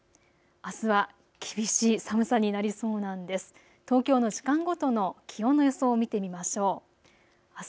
あすは厳しい寒さになりそうなんです。